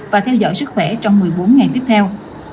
và theo dõi sức khỏe trong một mươi bốn ngày tiếp theo